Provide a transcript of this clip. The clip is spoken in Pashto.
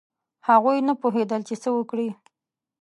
هغوی نه پوهېدل چې څه وکړي.